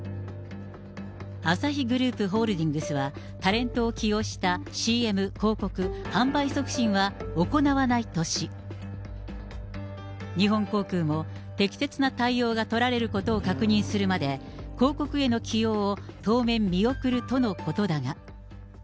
アサヒグループホールディングスは、タレントを起用したＣＭ、広告、販売促進は行わないとし、日本航空も適切な対応が取られることを確認するまで、広告への起用を当面、見送るとのことだが。